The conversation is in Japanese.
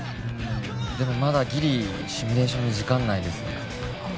うんでもまだギリシミュレーションの時間内ですねあっ